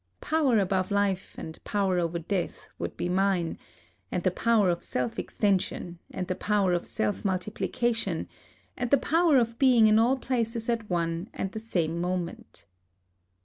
Power above life and power over death would be mine, — and the power of self exten sion, and the power of self multiplication, and the power of being in all places at one and the same moment.